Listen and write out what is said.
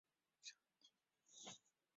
之后升任一级上将。